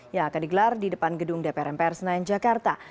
yang akan digelar di depan gedung dpr mpr senayan jakarta